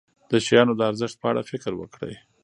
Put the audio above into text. د شیانو د ارزښت په اړه فکر وکړئ.